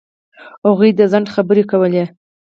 هغوی د ځنډ خبرې کولې.